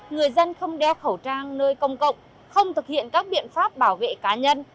người dân không đeo khẩu trang nơi công cộng không thực hiện các biện pháp bảo vệ cá nhân